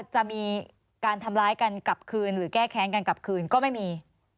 จะมีการทำร้ายกันกลับคืนหรือแก้แค้นกันกลับคืนก็ไม่มี